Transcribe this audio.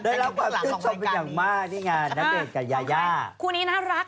ได้รับความชอบอย่างมากนี่ไงณเดชกับยายาคู่นี้น่ารัก